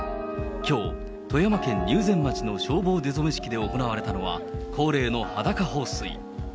きょう、富山県入善町の消防出初式で行われたのは、恒例の裸放水。